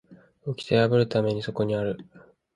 掟は破るためにそこにある